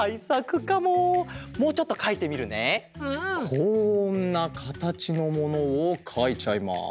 こんなかたちのものをかいちゃいます。